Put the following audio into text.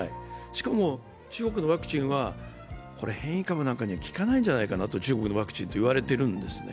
しかも中国のワクチンは変異株なんかには効かないんじゃないかと言われているんですね。